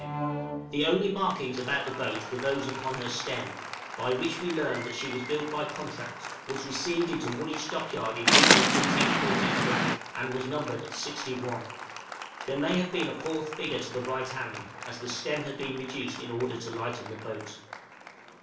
The only markings about the boat were those upon her stem, by which we learned that she was built by contract, was received into Woolwich Dockyard in April, 184 , and was numbered 61. There may have been a fourth figure to the right hand, as the stem had been reduced in order to lighten the boat.